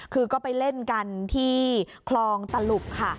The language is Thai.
คือก็ไปเล่นกันที่คลองตลุบค่ะ